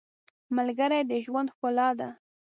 • ملګری د ژوند ښکلا ده.